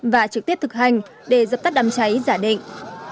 và trực tiếp thực hành để dập tắt đám cháy giả định